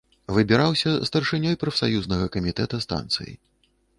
Выбіраўся старшынёй прафсаюзнага камітэта станцыі.